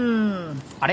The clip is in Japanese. あれ？